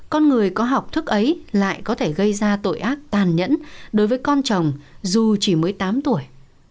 con người có học thức ấy lại có thể gây ra tội ác tàn nhẫn đối với con chồng dù chỉ mới tám tuổi